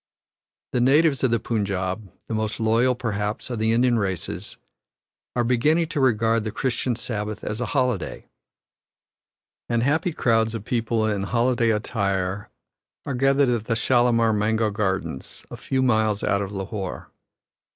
The natives of the Punjab, the most loyal, perhaps, of the Indian races, are beginning to regard the Christian Sabbath as a holiday, and happy crowds of people in holiday attire are gathered at the Shalamar Mango Gardens, a few miles out of Lahore.